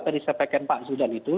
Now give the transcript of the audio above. peris peken pak sudan itu